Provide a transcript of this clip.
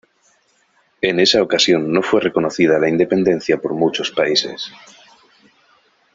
En esa ocasión no fue reconocida la independencia por muchos países.